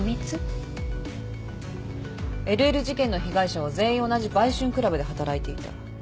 ＬＬ事件の被害者は全員同じ売春クラブで働いていた。